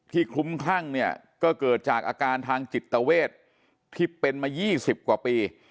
ที่คลุ้มครั่งก็เกิดจากอาการทางจิตเตอร์เวทที่เป็นมา๒๐กว่าปี